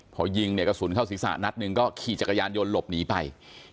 พอยิงเนี่ยกระสุนเข้าศีรษะนัดหนึ่งก็ขี่จักรยานยนต์หลบหนีไป